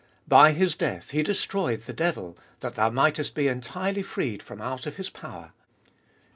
By His death He destroyed the devil, that thou mightest be entirely freed from out of his power.